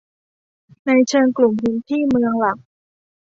ในเชิงกลุ่มพื้นที่เมืองหลัก